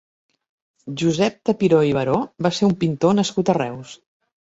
Josep Tapiró i Baró va ser un pintor nascut a Reus.